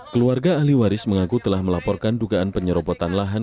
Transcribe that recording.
keluarga ahli waris mengaku telah melaporkan dugaan penyerobotan lahan